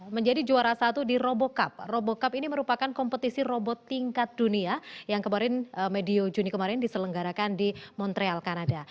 menjadi juara satu di robo cup robo cup ini merupakan kompetisi robot tingkat dunia yang kemarin medio juni kemarin diselenggarakan di montreal kanada